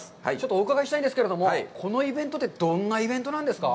お伺いしたいんですけれども、このイベントってどんなイベントなんですか。